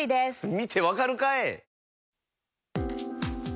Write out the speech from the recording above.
見て分かるかい！